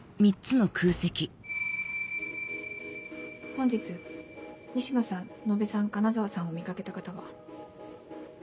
本日西野さん野辺さん金澤さんを見かけた方は？